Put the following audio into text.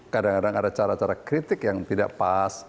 kadang kadang ada cara cara kritik yang tidak pas